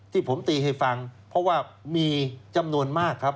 ที่ผมตีให้ฟังเพราะว่ามีจำนวนมากครับ